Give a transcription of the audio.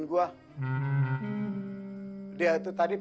nah sama assalamu'alaikum